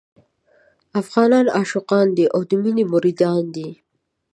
افغانان عاشقان دي او د مينې مريدان دي.